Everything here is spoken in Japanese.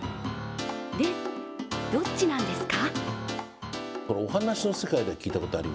で、どっちなんですか？